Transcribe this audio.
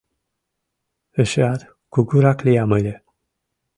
Эшеат кугурак лиям ыле.